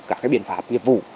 các biện pháp nhiệm vụ